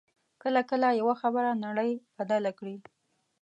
کله کله یوه خبره نړۍ بدله کړي